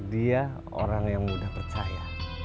dia orang yang mudah percaya